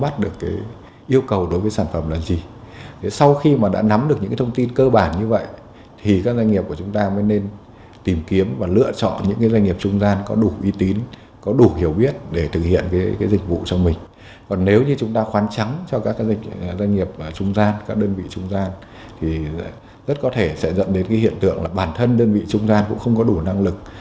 sẽ dẫn đến hiện tượng là bản thân đơn vị trung gian cũng không có đủ năng lực